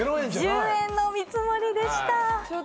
１０円の見積もりでした！